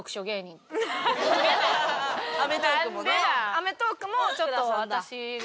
『アメトーーク！』もちょっと私が。